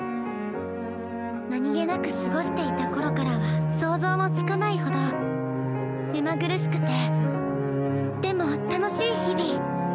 何気なく過ごしていた頃からは想像もつかないほど目まぐるしくてでも楽しい日々。